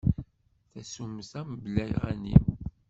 Tasumta mebla aɣanim.